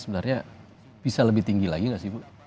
bisa lebih tinggi lagi gak sih bu